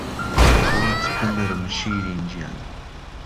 بۆت بمرم شیرین گیان